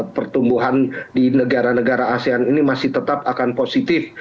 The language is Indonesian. pertumbuhan di negara negara asean ini masih tetap akan positif